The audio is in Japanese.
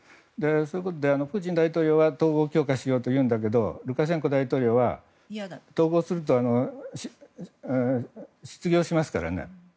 そういうことでプーチン大統領は統合を強化しようというんだけどルカシェンコ大統領は統合すると失業しますからね。